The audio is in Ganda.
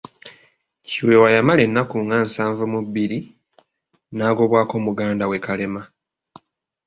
Kiweewa yamala ennaku nga nsanvu mu bbiri, n'agobwako muganda we Kalema.